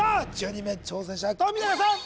人目挑戦者富永さん